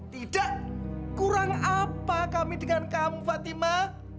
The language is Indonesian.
tidak kurang apa kami dengan kamu fatima